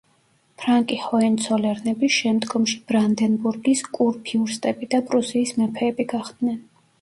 ფრანკი ჰოენცოლერნები შემდგომში ბრანდენბურგის კურფიურსტები და პრუსიის მეფეები გახდნენ.